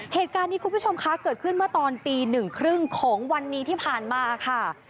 เหตุการณ์นี้คุณผู้ชมคะเกิดขึ้นเมื่อตอนตีหนึ่งครึ่งของวันนี้ที่ผ่านมาค่ะ